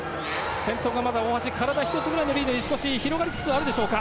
先頭がまだ大橋体１つくらいのリードに少し広がりつつあるでしょうか。